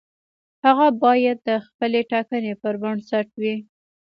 هغه باید د خپلې ټاکنې پر بنسټ وي.